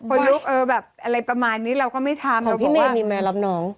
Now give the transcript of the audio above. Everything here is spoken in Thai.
ขนลุกอะไรประมาณนี้เราก็ไม่ทำเราบอกว่าของพี่เมดมีแมนรับน้อง